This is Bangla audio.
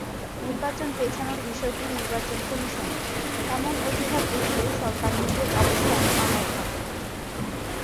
নির্বাচন পেছানোর বিষয়টি নির্বাচন কমিশনের—এমন অজুহাত দেখিয়ে সরকার নিজের অবস্থানে অনড় থাকে।